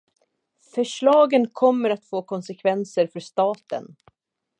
Förslagen kommer att få konsekvenser för staten.